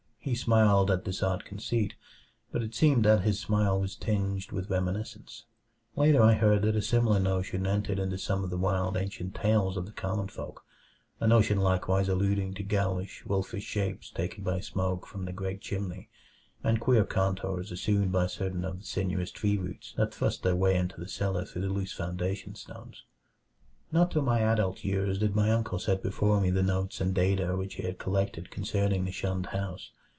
He smiled at this odd conceit, but it seemed that his smile was tinged with reminiscence. Later I heard that a similar notion entered into some of the wild ancient tales of the common folk a notion likewise alluding to ghoulish, wolfish shapes taken by smoke from the great chimney, and queer contours assumed by certain of the sinuous tree roots that thrust their way into the cellar through the loose foundation stones. 2 Not till my adult years did my uncle set before me the notes and data which he had collected concerning the shunned house.